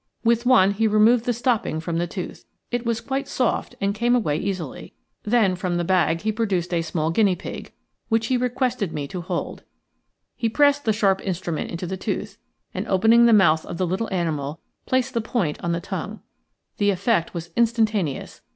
With one he removed the stopping from the tooth. It was quite soft and came away easily. Then from the bag he produced a small guinea pig, which he requested me to hold. He pressed the sharp instrument into the tooth, and opening the mouth of the little animal placed the point on the tongue. The effect was instantaneous.